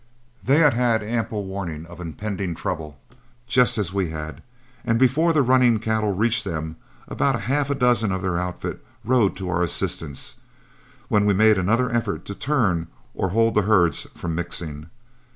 They had had ample warning of impending trouble, just as we had; and before the running cattle reached them about half a dozen of their outfit rode to our assistance, when we made another effort to turn or hold the herds from mixing.